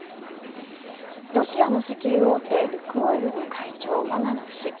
ロシアの石油大手ルクオイルの会長、マガノフ氏